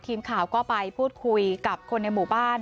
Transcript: ทีมข่าวก็ไปพูดคุยกับคนในหมู่บ้าน